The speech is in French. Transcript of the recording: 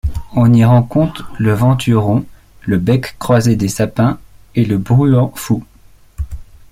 On y rencontre le venturon, le bec-croisé des sapins et le bruant fou.